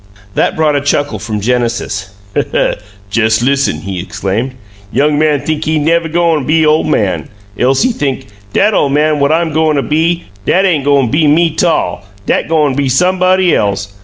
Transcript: That brought a chuckle from Mr. Genesis. "Jes' listen!" he exclaimed. "Young man think he ain' nev' goin' be ole man. Else he think, 'Dat ole man what I'm goin' to be, dat ain' goin' be me 'tall dat goin' be somebody else!